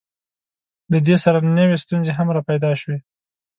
له دې سره نوې ستونزې هم راپیدا شوې.